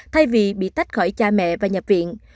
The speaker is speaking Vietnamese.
thay vì bị tách khỏi cha mẹ và nhập viện